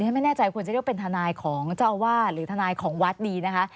ไม่แน่ใจควรจะเรียกว่าเป็นทนายของเจ้าอาวาสหรือทนายของวัดดีนะคะ